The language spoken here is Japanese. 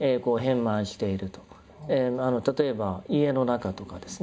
例えば家の中とかですね